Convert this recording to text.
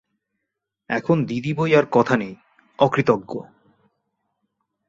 এখন দিদি বৈ আর কথা নেই– অকৃতজ্ঞ!